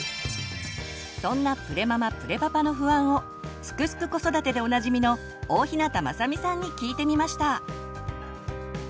そんなプレママ・プレパパの不安を「すくすく子育て」でおなじみの大日向雅美さんに聞いてみました！